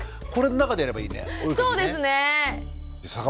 これの中でやればいいね。